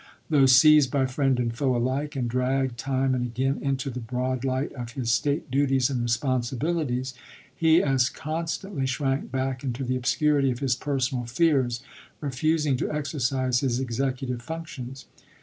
Though seized by friend and foe alike, and dragged time and again into the broad light of his state duties and responsibilities, he as constantly shrank back into the obscurity of his personal fears, refusing to exercise his executive functions.